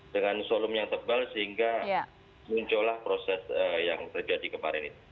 dengan solum yang tebal sehingga muncullah proses yang terjadi kemarin itu